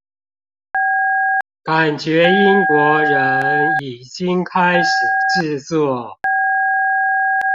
感覺英國人已經開始製作